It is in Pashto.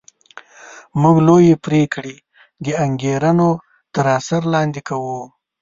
موږ لویې پرېکړې د انګېرنو تر اثر لاندې کوو